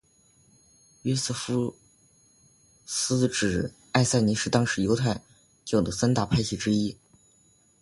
约瑟夫斯指出艾赛尼是当时犹太教的三大派系之一。